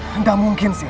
tidak mungkin sir